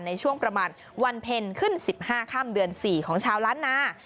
ในช่วงประมาณวันเพ็ญขึ้น๑๕ค่ำเดือน๔ของชาวล้านนา